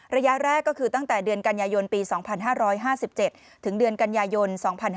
ระยะแรกก็คือตั้งแต่เดือนกันยายนปี๒๕๕๗ถึงเดือนกันยายน๒๕๕๙